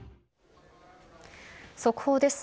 速報です。